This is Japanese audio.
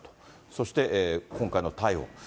そして今回の逮捕。